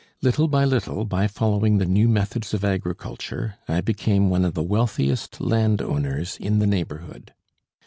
Little by little, by following the new methods of agriculture, I became one of the wealthiest landowners in the neighbourhood.